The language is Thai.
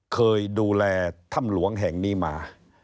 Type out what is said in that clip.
เคยดูแลถ้ำหลวงแห่งนี้มา